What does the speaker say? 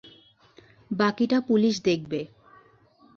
বাকিটা পুলিশ দেখবে।